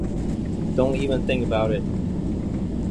Don't even think about it.